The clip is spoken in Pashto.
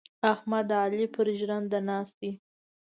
احمد د علي پر ژرنده ناست دی.